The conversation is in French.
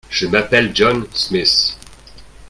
Je m'appelle John Smith.